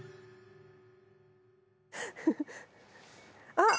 あっ！